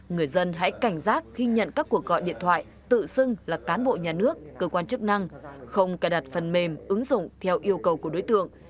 người dân hãy cảnh giác khi nhận các cuộc gọi điện thoại tự xưng là cán bộ nhà nước cơ quan chức năng không cài đặt phần mềm ứng dụng theo yêu cầu của đối tượng